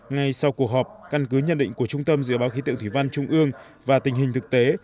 ngay sau cuộc họp căn cứ nhận định của trung tâm dự báo khí tượng thủy văn trung ương và tình hình thực tế